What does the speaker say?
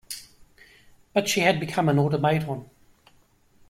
But she had become an automaton.